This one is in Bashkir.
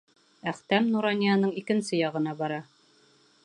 Әхтәм Нуранияның икенсе яғына бара.